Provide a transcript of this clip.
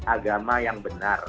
agama yang benar